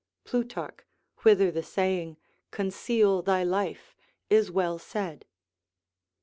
[Plutarch, Whether the saying, Conceal thy life, is well said.